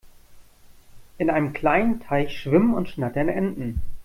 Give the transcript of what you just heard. In einem kleinen Teich schwimmen und schnattern Enten.